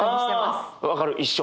あ分かる一緒。